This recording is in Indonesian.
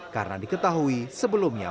karena diketahui sebelumnya